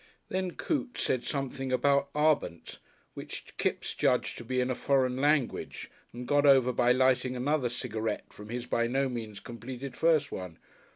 Then Coote said something about "Abend," which Kipps judged to be in a foreign language and got over by lighting another cigarette from his by no means completed first one.